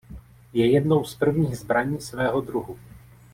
Je jednou z prvních zbraní svého druhu.